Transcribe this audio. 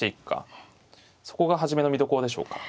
そこが初めの見どころでしょうか。